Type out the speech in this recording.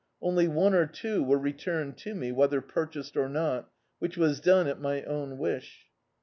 Only one or two were returned to me, whether purchased or not, which was done at my own wish.